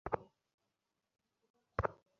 ব্যথা করছে, sir, sir, না, স্যার।